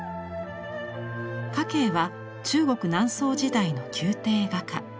夏珪は中国・南宋時代の宮廷画家。